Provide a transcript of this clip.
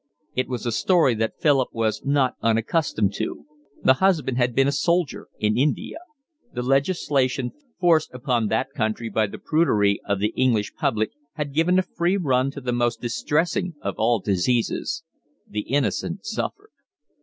It was a story that Philip was not unaccustomed to: the husband had been a soldier in India; the legislation forced upon that country by the prudery of the English public had given a free run to the most distressing of all diseases; the innocent suffered.